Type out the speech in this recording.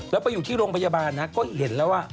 แล้วไปอยู่ที่โรงพยาบาลนะก็เห็นแล้วว่า